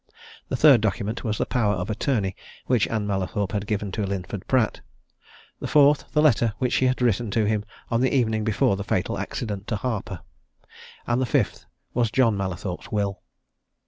The third document was the power of attorney which Ann Mallathorpe had given to Linford Pratt: the fourth, the letter which she had written to him on the evening before the fatal accident to Harper. And the fifth was John Mallathorpe's will.